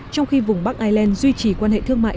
trong khi vùng bắc ireland duy trì quan hệ thương mại